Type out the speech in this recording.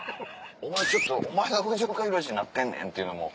「お前ちょっとお前が藤岡弘、になってんねん」っていうのも。